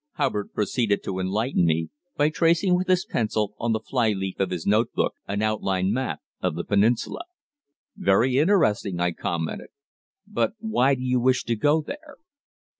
Hubbard proceeded to enlighten me, by tracing with his pencil, on the fly leaf of his notebook, an outline map of the peninsula. "Very interesting," I commented. "But why do you wish to go there?"